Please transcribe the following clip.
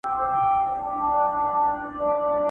o څه ژرنده پڅه، څه غنم لانده!